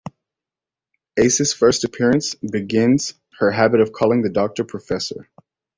Ace's first appearance begins her habit of calling the Doctor "Professor".